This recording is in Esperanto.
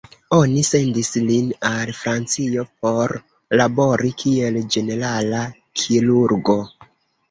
Oni sendis lin al Francio por labori kiel ĝenerala kirurgo.